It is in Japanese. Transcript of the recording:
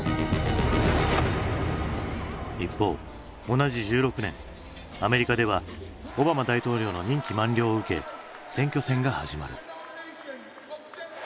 一方同じ１６年アメリカではオバマ大統領の任期満了を受け選挙戦が始まる。